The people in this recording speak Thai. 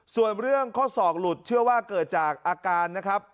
ส่วนเรื่องข้อศอกหลุดเชื่อว่าเกิดจากอาการนะครับ